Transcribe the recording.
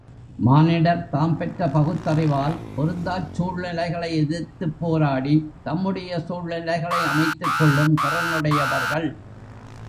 மானிடர் தாம் பெற்ற பகுத்தறிவால் பொருந்தாச் சூழ்நிலைகளை எதிர்த்துப் போராடித் தம்முடைய சூழ்நிலைகளை அமைத்துக் கொள்ளும் திறனுடையவர்கள்.